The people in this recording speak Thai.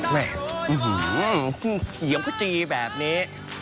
แม่อื้อหืมหื่นเหนียวขจีกแบบนี้